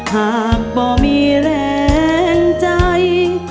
หากบ่มีแรงใจ